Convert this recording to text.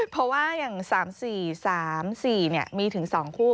เพราะว่าอย่าง๓๔๓๔มีถึง๒คู่